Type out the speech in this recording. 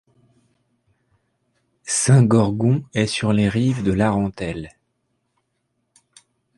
Saint-Gorgon est sur les rives de l'Arentèle.